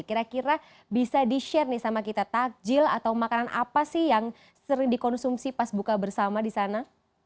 kira kira bisa di share nih sama kita takjil atau makanan apa sih yang sering dikonsumsi pas buka bersama di sana